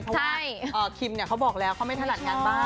เพราะว่าคิมเขาบอกแล้วเขาไม่ถนัดงานบ้าน